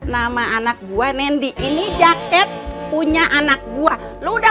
nama anak gue nendi ini jaket punya anak gue